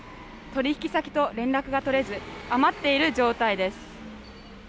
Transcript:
取り引き先と連絡が取れず、余っている状態です。